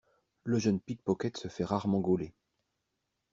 Le jeune pickpocket se fait rarement gauler.